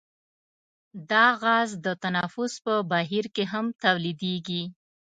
دا غاز د تنفس په بهیر کې هم تولیدیږي.